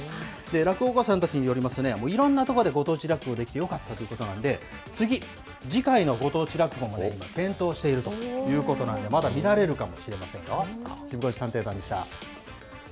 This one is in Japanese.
落語家さんたちによりますと、いろんな所でご当地落語、できてよかったということなんでね、次ぎ、次回のご当地落語も検討しているということなんで、まだ見られるかもしれませんよ。